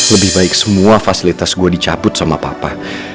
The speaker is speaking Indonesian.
lebih baik semua fasilitas gue dicabut sama papa